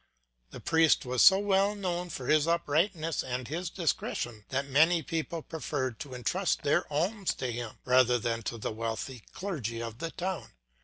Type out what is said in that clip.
The priest was so well known for his uprightness and his discretion, that many people preferred to entrust their alms to him, rather than to the wealthy clergy of the town.